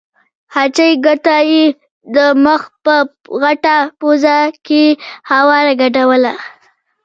خچۍ ګوته یې د مخ په غټه پوزه کې هواره ګډوله.